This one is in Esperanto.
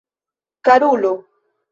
karulo